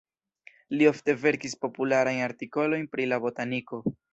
Li ofte verkis popularajn artikolojn pri la botaniko.